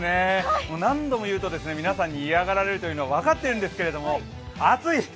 何度も言うと皆さんに嫌がられるのは分かってるんですけど、暑い！